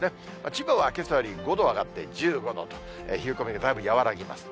千葉はけさより５度上がって１５度と、冷え込みがだいぶ和らぎます。